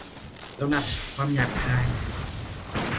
สำหรับ ความหยาบคาย ?